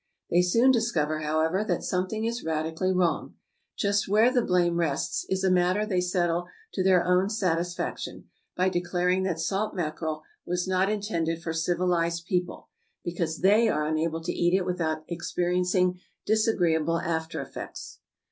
They soon discover, however, that something is radically wrong; just where the blame rests, is a matter they settle to their own satisfaction by declaring that salt mackerel was not intended for civilized people, because they are unable to eat it without experiencing disagreeable after effects.